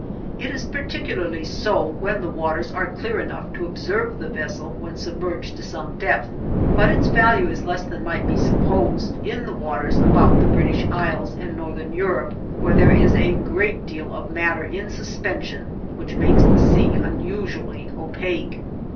It is particularly so when the waters are clear enough to observe the vessel when submerged to some depth, but its value is less than might be supposed in the waters about the British Isles and Northern Europe, where there is a great deal of matter in suspension which makes the sea unusually opaque.